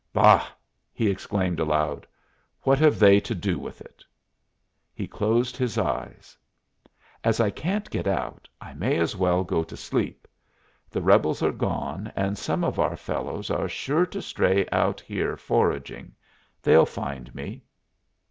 "Bah!" he exclaimed aloud, "what have they to do with it?" He closed his eyes. "As I can't get out I may as well go to sleep. The rebels are gone and some of our fellows are sure to stray out here foraging. They'll find me."